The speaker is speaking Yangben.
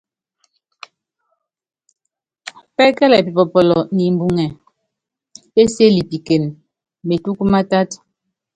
Pɛ́kɛlɛ pipɔpɔlɔ nimbuŋɛ pésiélipikene metúkú mátátu.